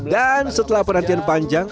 dan setelah penantian panjang